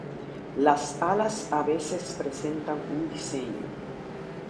Las alas a veces presentan un diseño.